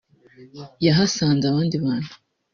yahasanze abandi bantu